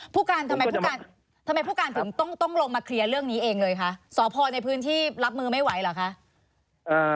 ทำไมผู้การถึงต้องลงมาเคลียร์เรื่องนี้เองเลยคะสอบพอร์ในพื้นที่รับมือไม่ไหวเหรอคะ